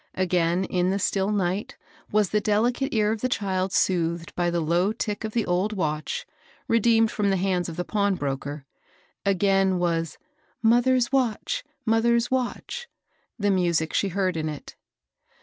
Again, in the still night, was the delicate ear of the child soothed by the low tick of the old watch, redeemed from the hands of the pawn broker ; again was ^^ mother's watch I mother's watch I " the music she heard in it.